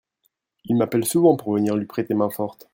Il m'appelle souvent pour venir lui prêter main forte.